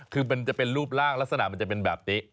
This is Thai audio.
คือมันจะเป็นรูปร่างลักษณะมันจะเป็นแบบนี้